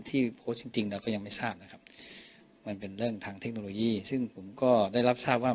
ที่โพสต์จริงจริงเราก็ยังไม่ทราบนะครับมันเป็นเรื่องทางเทคโนโลยีซึ่งผมก็ได้รับทราบว่า